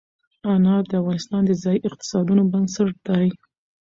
انار د افغانستان د ځایي اقتصادونو بنسټ دی.